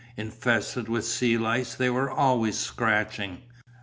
Infested with sea lice they were always scratching.